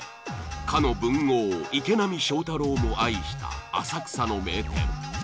かの文豪池波正太郎も愛した浅草の名店。